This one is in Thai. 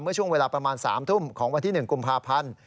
เมื่อช่วงเวลาประมาณ๓ทุ่มของวันที่๑กุมภาพันธ์